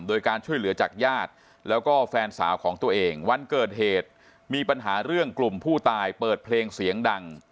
โดยการช่วยเหลือจากญาติแล้วก็แฟนสาวของตัวเองวันเกิดเหตุมีปัญหาเรื่องกลุ่มผู้ตายเปิดเพลงเสียงดัง